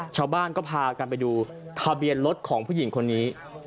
ชาวบ้านก็พากันไปดูทะเบียนรถของผู้หญิงคนนี้